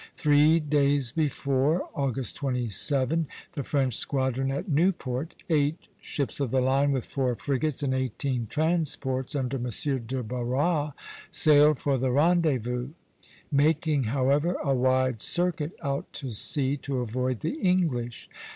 Three days before, August 27, the French squadron at Newport, eight ships of the line with four frigates and eighteen transports under M. de Barras, sailed for the rendezvous; making, however, a wide circuit out to sea to avoid the English.